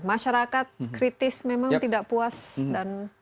masyarakat kritis memang tidak puas dan